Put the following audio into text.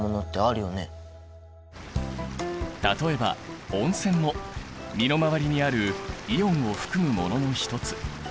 例えば温泉も身の回りにあるイオンを含むものの一つ。